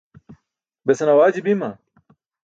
besan awaaji bima?